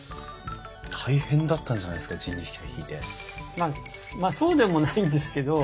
まあまあそうでもないんですけど。